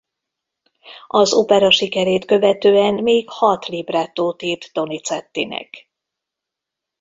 Az opera sikerét követően még hat librettót írt Donizettinek.